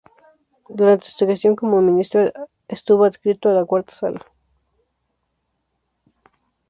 Durante su gestión como ministro estuvo adscrito a la "Cuarta Sala".